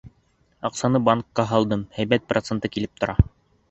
Аҡсаны банкка һалдым, һәйбәт проценты килеп тора.